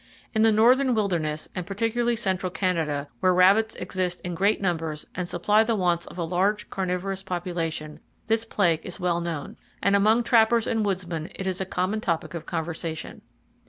In the northern wilderness, and particularly central Canada, where rabbits exist in great numbers and supply the wants of a large carnivorous population, this plague is well known, and among trappers and woodsmen is a common topic of conversation.